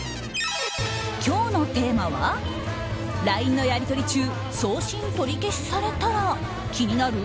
今日のテーマはＬＩＮＥのやりとり中送信取り消しされたら気になる？